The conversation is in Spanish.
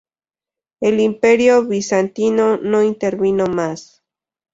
El Imperio bizantino no intervino más.